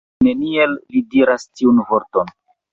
Sed neniel li diras tiun vorton!